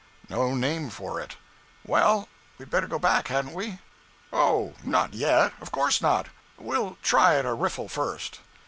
"No name for it!" "Well, we'd better go back, hadn't we?" "Oh, not yet—of course not. We'll try it a riffle, first."